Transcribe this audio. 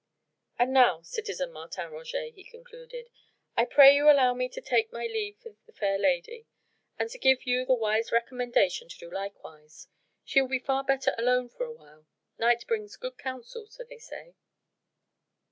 "And now, citizen Martin Roget," he concluded, "I pray you allow me to take my leave of the fair lady and to give you the wise recommendation to do likewise. She will be far better alone for awhile. Night brings good counsel, so they say."